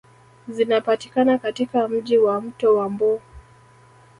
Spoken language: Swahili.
Zinapatikana katika Mji wa mto wa mbu